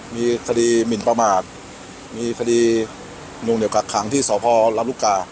มีคดีหมินประมาทมีคดีหนุ่งเหนียวกักขังที่สอบพอร์รับลูกการ์นะครับ